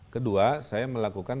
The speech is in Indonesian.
kedua saya melakukan